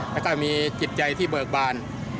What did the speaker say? แล้วก็มีจิตใจที่เบิกบาน